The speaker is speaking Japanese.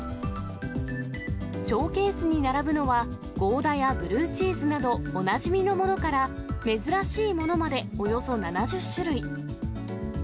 ショーケースに並ぶのは、ゴーダやブルーチーズなどおなじみのものから、珍しいものまで、およそ７０種類。